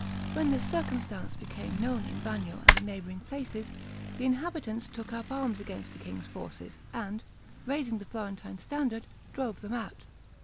When this circumstance became known in Bagno and the neighboring places, the inhabitants took up arms against the king's forces, and, raising the Florentine standard, drove them out.